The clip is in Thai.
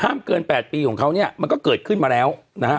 เกิน๘ปีของเขาเนี่ยมันก็เกิดขึ้นมาแล้วนะฮะ